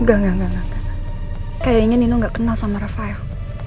enggak kayaknya nino gak kenal sama rafael